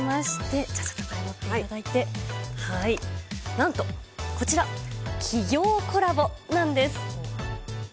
何とこちら、企業コラボなんです。